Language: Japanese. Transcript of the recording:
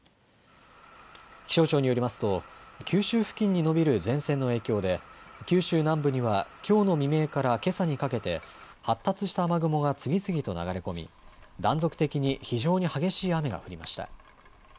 気象庁によりますと九州付近に延びる前線の影響で九州南部にはきょうの未明からけさにかけて発達した雨雲が次々と流れ込み断続的に非常に激しい雨が降りました。